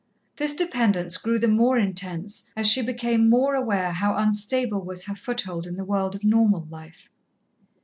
This dependence grew the more intense, as she became more aware how unstable was her foothold in the world of normal life.